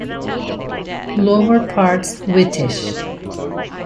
Lower parts whitish.